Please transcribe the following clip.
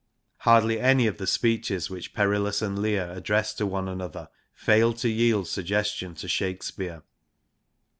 Hardly any of the speeches which Perillus and Leir address to one another failed to yield suggestion to Shakespeare.